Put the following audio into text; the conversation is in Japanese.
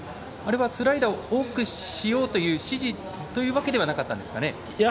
あれはスライダーを多くしようという指示というわけではなかったんですかね？